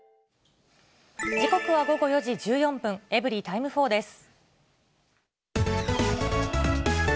時刻は午後４時１４分、エブリィタイム４です。